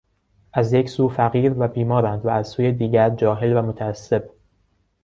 از یک سو فقیر و بیمارند و از سوی دیگر جاهل و متعصب.